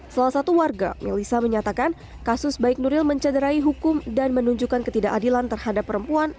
salah satu warga melissa menyatakan kasus baik nuril mencederai hukum dan menunjukkan ketidakadilan terhadap perempuan